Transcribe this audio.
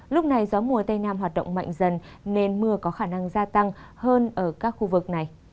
lúc này gió mùa tây nam hoạt động mạnh dần nên mưa có khả năng gia tăng hơn ở các khu vực này